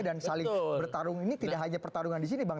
dan saling bertarung ini tidak hanya pertarungan di sini bang